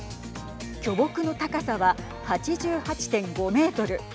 巨木の高さは８８．５メートル。